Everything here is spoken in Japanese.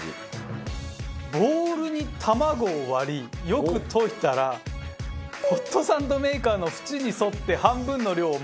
ボウルに卵を割りよく溶いたらホットサンドメーカーの縁に沿って半分の量を回しかけます。